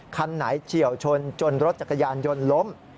คันไหนเฉียวชนจนรถจักรยานยนต์ล้ม